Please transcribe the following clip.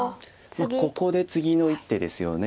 ここで次の一手ですよね。